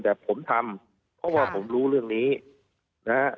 แต่ผมทำเพราะว่าผมรู้เรื่องนี้นะฮะ